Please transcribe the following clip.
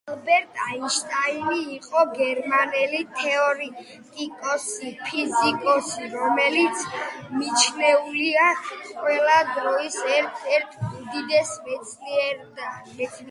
ალბერტ აინშტაინი იყო გერმანელი თეორიტიკოსი ფიზიკოსი, რომელიც მიჩნეულია ყველა დროის ერთ-ერთ უდიდეს მეცნიერად.